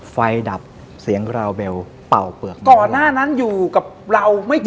ดับเสียงราวเบลเป่าเปลือกก่อนหน้านั้นอยู่กับเราไม่กี่